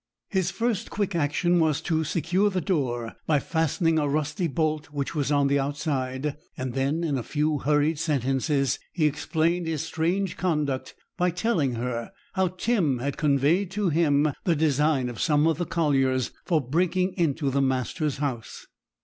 His first quick action was to secure the door by fastening a rusty bolt which was on the outside, and then, in a few hurried sentences, he explained his strange conduct by telling her how Tim had conveyed to him the design of some of the colliers for breaking into the master's house.